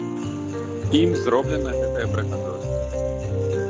Ім зроблена гэтая прыгажосць.